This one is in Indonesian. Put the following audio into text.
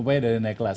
upaya dari naik kelas